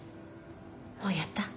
もうやった？